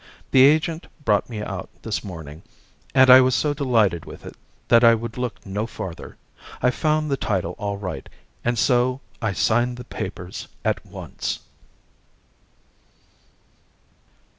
The agent brought me out this morning, and I was so delighted with it that I would look no farther. I found the title all right, and so I signed the papers at once."